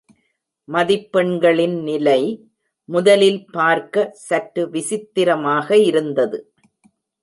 மதிப்பெண்களின் நிலை, முதலில் பார்க்க சற்று விசித்திரமாக இருந்தது.